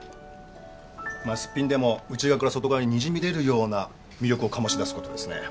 まあすっぴんでも内側から外側ににじみ出るような魅力を醸し出すことですね。